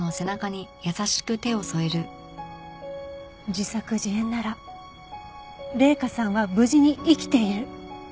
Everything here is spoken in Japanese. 自作自演なら麗華さんは無事に生きている。